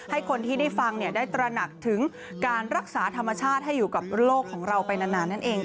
ให้คนที่ได้ฟังได้ตระหนักถึงการรักษาธรรมชาติให้อยู่กับโลกของเราไปนานนั่นเอง